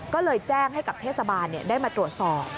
ก็เลยแจ้งให้กับเทศบาลได้มาตรวจสอบ